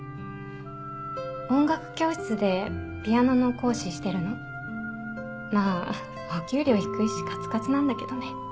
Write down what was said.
音楽教室でピアノの講師してるのまあお給料低いしカツカツなんだけどね